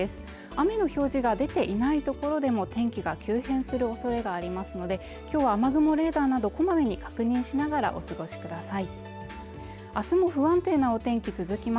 雨の表示が出ていない所でも天気が急変する恐れがありますのできょうは雨雲レーダーなどこまめに確認しながらお過ごしください